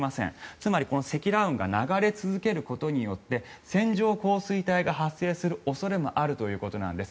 つまり積乱雲が流れ続けることによって線状降水帯が発生する恐れもあるということなんです。